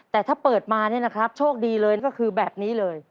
แต่ถ้าเปิดมาเนี่ยนะครับโชคดีเลยก็คือแบบนี้เลย